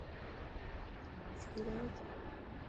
تنا مشڪل ڪوني ٿي.